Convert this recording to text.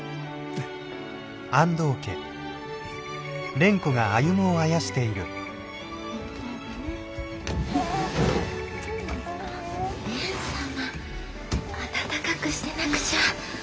蓮様暖かくしてなくちゃ。